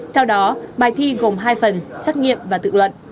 theo đó bài thi gồm hai phần trắc nghiệm và tự luận